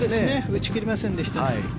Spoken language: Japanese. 打ち切れませんでした。